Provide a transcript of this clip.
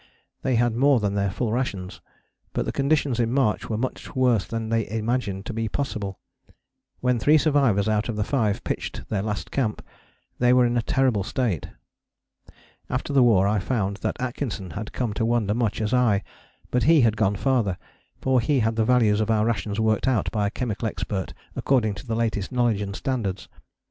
They had more than their full rations, but the conditions in March were much worse than they imagined to be possible: when three survivors out of the five pitched their Last Camp they were in a terrible state. After the war I found that Atkinson had come to wonder much as I, but he had gone farther, for he had the values of our rations worked out by a chemical expert according to the latest knowledge and standards.